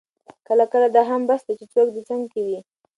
کله کله دا هم بس ده چې څوک دې څنګ کې وي.